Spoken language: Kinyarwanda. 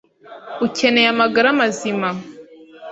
Ukeneye amagara mazima,